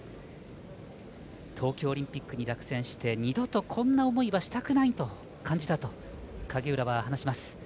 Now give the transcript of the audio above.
東京オリンピックに落選して二度とこんな思いをしたくないと感じたと影浦は話します。